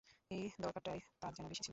এই দরকারটাই তার যেন বেশি ছিল।